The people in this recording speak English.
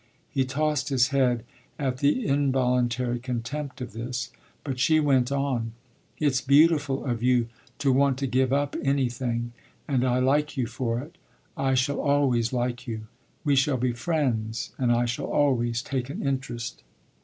He tossed his head at the involuntary contempt of this, but she went on: "It's beautiful of you to want to give up anything, and I like you for it. I shall always like you. We shall be friends, and I shall always take an interest